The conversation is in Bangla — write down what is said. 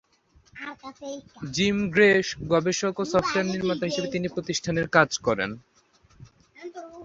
জিম গ্রে গবেষক ও সফটওয়ার নির্মাতা হিসাবে বিভিন্ন প্রতিষ্ঠানে কাজ করেন।